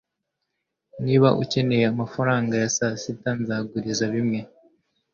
niba ukeneye amafaranga ya sasita, nzaguriza bimwe